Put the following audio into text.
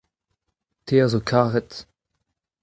te a zo karet.